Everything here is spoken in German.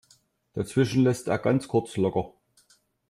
Dazwischen lässt er ganz kurz locker.